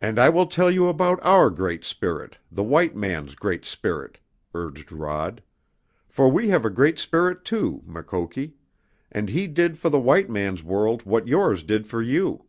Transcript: "And I will tell you about our Great Spirit, the white man's Great Spirit," urged Rod. "For we have a Great Spirit, too, Mukoki, and He did for the white man's world what yours did for you.